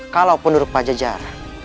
kalau penduduk pajajara